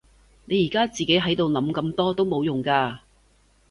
你而家自己喺度諗咁多都冇用㗎